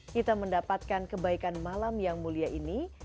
kita mendapatkan kebaikan malam yang mulia ini